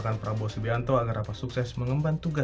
saya berterima kasih kepada anda